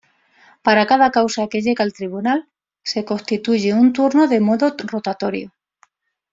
Para cada causa que llega al Tribunal se constituye un turno de modo rotatorio.